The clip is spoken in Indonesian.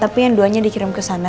tapi yang duanya dikirim kesana